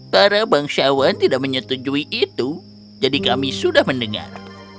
para bangsawan tidak menyetujui itu jadi kami sudah mendengar